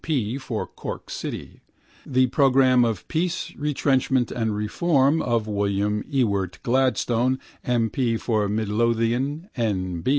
P. for Cork City), the programme of peace, retrenchment and reform of William Ewart Gladstone (M. P. for Midlothian, N.